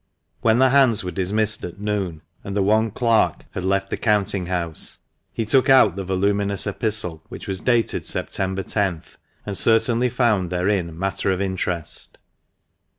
When the hands were dismissed at noon, and the one clerk had left the counting house, he took out the voluminous epistle, which was dated September loth, and certainly found therein matter of interest.